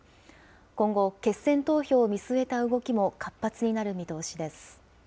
今後、決選投票を見据えた動きも活発になる見通しです。